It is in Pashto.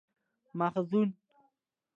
ماخذونه: